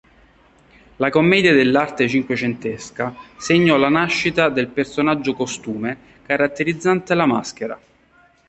La Commedia dell'Arte cinquecentesca segnò la nascita del personaggio-costume caratterizzante la maschera.